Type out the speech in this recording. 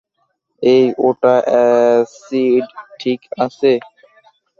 এই, ওটা অ্যাসিড, -ঠিক আছে।